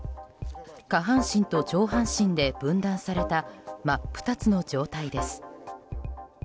下半身と上半身で分断された真っ二つの状態です。